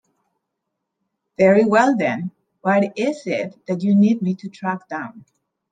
Very well then, what is it that you need me to track down?